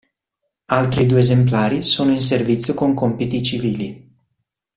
Altri due esemplari sono in servizio con compiti civili.